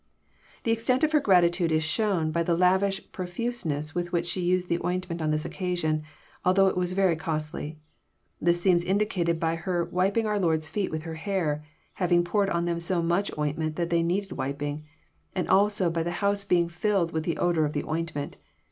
The extent of her gratitude Is shown by the lavish proftiseness with which she used the ointment on this occasion, although it was very costly. This seems Indicated by her <* wiping our Lord's feet with her hair," having poured on them so much oint ment that they needed wiping; and also by the *< house being filled with the odour of the ointment."